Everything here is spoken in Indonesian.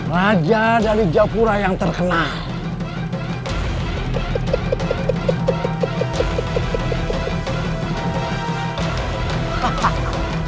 raja dari japura yang terkenal